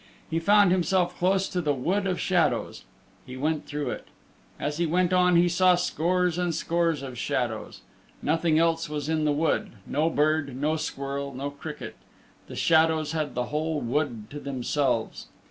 He found himself close to the Wood of Shadows. He went through it. As he went on he saw scores and scores of shadows. Nothing else was in the wood no bird, no squirrel, no cricket. The shadows had the whole wood to themselves.